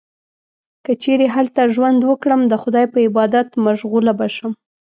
که چیرې هلته ژوند وکړم، د خدای په عبادت مشغوله به شم.